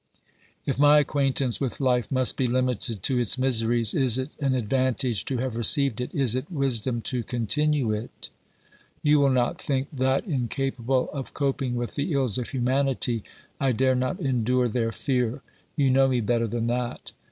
If my acquaintance with life must be limited to its miseries, is it an advantage to have received it, is it wisdom to continue it ? You will not think that, incapable of coping with the ills of humanity, I dare not endure their fear ; you know me better than that.